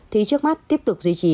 thì trước mắt tiếp tục duy trì